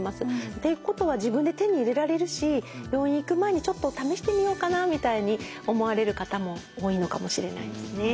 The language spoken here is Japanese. ってことは自分で手に入れられるし病院行く前にちょっと試してみようかなみたいに思われる方も多いのかもしれないですね。